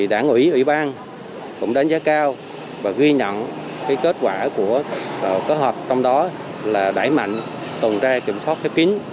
đảng ủy ủy ban cũng đánh giá cao và ghi nhận kết quả của kết hợp trong đó là đẩy mạnh tuần tra kiểm soát khép kín